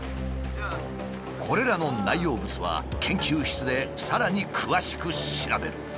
これらの内容物は研究室でさらに詳しく調べる。